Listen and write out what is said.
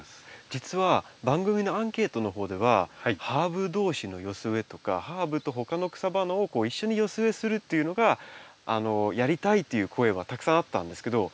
実は番組のアンケートの方ではハーブ同士の寄せ植えとかハーブと他の草花を一緒に寄せ植えするっていうのがやりたいという声はたくさんあったんですけど。